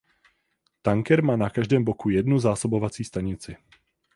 Tanker má na každém boku jednu zásobovací stanici.